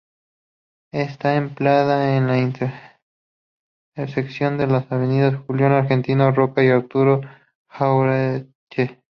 Está emplazada en la intersección de las avenidas Julio Argentino Roca y Arturo Jauretche.